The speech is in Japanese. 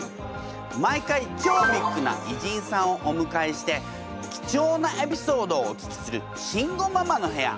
毎回超ビッグな偉人さんをおむかえして貴重なエピソードをお聞きする慎吾ママの部屋。